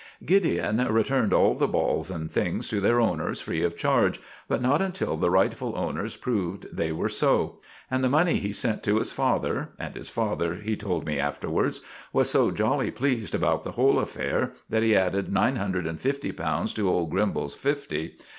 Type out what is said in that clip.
Gideon returned all the balls and things to their owners free of charge, but not until the rightful owners proved they were so. And the money he sent to his father; and his father, he told me afterwards, was so jolly pleased about the whole affair that he added nine hundred and fifty pounds to old Grimbal's fifty.